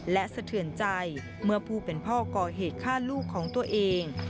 และสะเทือนใจเมื่อผู้เป็นพ่อก่อเหตุฆ่าลูกของตัวเอง